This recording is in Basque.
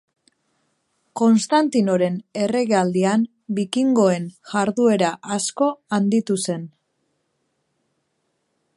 Konstantinoren erregealdian bikingoen jarduera asko handitu zen.